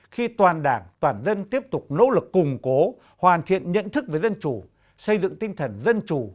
khi toàn đảng toàn dân tiếp tục nỗ lực củng cố hoàn thiện nhận thức về dân chủ xây dựng tinh thần dân chủ